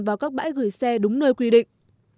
vào các bãi gửi xe đúng nơi quy định